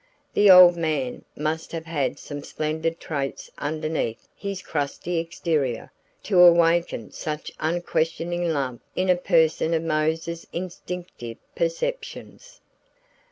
The old man must have had some splendid traits underneath his crusty exterior to awaken such unquestioning love in a person of Mose's instinctive perceptions.